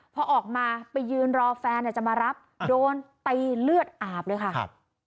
พอออกมาไปยืนรอแฟนจะมารับโดนตีเลือดอาบเลยค่ะครับ